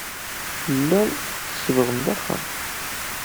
Tellam tsebbɣem-d axxam.